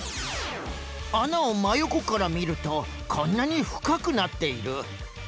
あなをまよこからみるとこんなにふかくなっている。